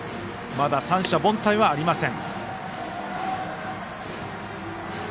まだ三者凡退はありません。